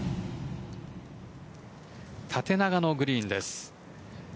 縦長のグリーンです。